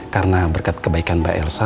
karena berkat kebaikan mbak elsa